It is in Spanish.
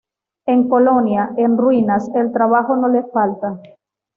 En Colonia, en ruinas, el trabajo no le falta.